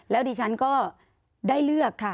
แล้วดิฉันก็ได้เลือกค่ะ